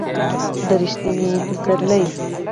د ر یښتني پسرلي